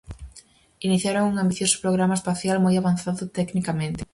Iniciaron un ambicioso programa espacial moi avanzado tecnicamente.